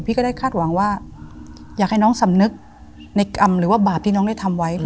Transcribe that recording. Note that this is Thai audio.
ก็ได้คาดหวังว่าอยากให้น้องสำนึกในกรรมหรือว่าบาปที่น้องได้ทำไว้